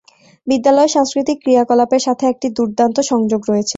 বিদ্যালয়ের সাংস্কৃতিক ক্রিয়াকলাপের সাথে একটি দুর্দান্ত সংযোগ রয়েছে।